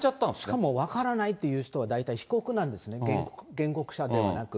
しかも分からないという人は、大体被告なんですね、原告者ではなく。